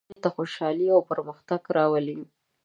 سوله ټولنې ته خوشحالي او پرمختګ راولي.